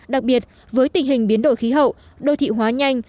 đặc biệt với tình hình biến đổi khí hậu đô thị hóa nhanh